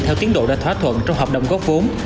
theo tiến độ đã thỏa thuận trong hợp đồng góp vốn